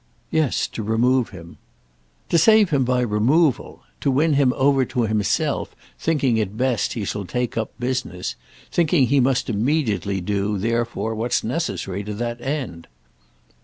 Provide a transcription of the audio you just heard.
"Yes—to remove him." "To save him by removal; to win him over to himself thinking it best he shall take up business—thinking he must immediately do therefore what's necessary to that end."